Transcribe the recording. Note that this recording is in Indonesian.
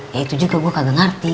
ya itu juga gue kagak ngerti